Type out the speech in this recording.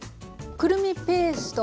くるみペースト。